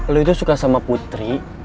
lu itu suka sama putri